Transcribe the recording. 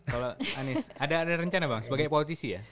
kalau anies ada rencana bang sebagai politisi ya